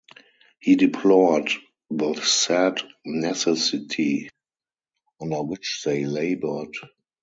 He deplored the sad necessity under which they labored.